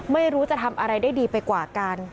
ไม่รู้จะทำอะไรได้ดีไปกว่าการ